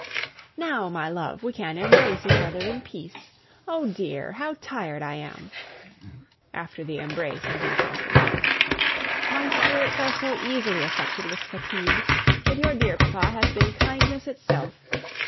"Now, my love, we can embrace each other in peace. O dear, how tired I am!" (after the embrace had been accomplished). "My spirits are so easily affected with fatigue; but your dear papa has been kindness itself.